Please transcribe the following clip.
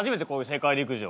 世界陸上。